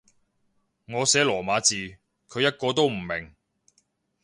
我寫羅馬字，佢一個都唔明